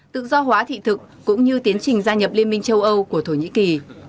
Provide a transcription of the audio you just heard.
tự do hóa thị thực cũng như tiến trình gia nhập liên minh châu âu của thổ nhĩ kỳ